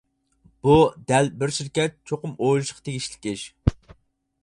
بۇ دەل بىر شىركەت چوقۇم ئويلىشىشقا تېگىشلىك ئىش.